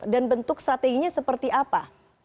dan bentuk strateginya seperti apa